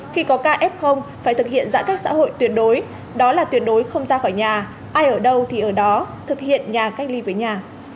khi có kf phải thực hiện giãn cách xã hội tuyển đối đó là tuyển đối không ra khỏi nhà ai ở đâu thì ở đó thực hiện nhà cách ly với nhà